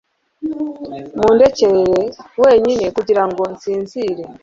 Nundekere wenyine kugirango nsinzire